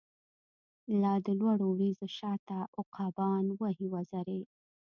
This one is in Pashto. لادلوړو وریځو شاته، عقابان وهی وزری